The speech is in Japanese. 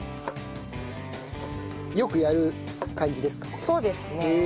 よくやる感じですか？